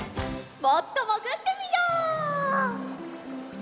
もっともぐってみよう。